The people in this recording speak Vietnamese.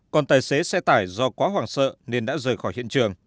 còn tài xế xe tải do quá hoảng sợ nên đã rời khỏi hiện trường